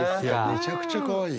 めちゃくちゃかわいい。